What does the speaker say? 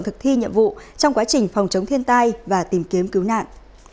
thực thi nhiệm vụ trong quá trình phòng chống thiên tai và tìm kiếm cứu nạn